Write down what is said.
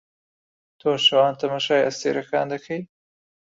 تۆ شەوان تەماشای ئەستێرەکان دەکەی؟